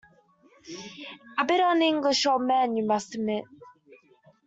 A bit un-English, old man, you must admit.